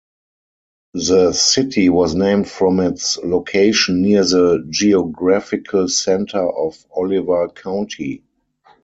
The city was named from its location near the geographical center of Oliver County.